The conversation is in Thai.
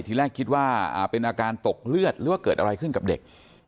ทีแรกคิดว่าเป็นอาการตกเลือดหรือว่าเกิดอะไรขึ้นกับเด็ก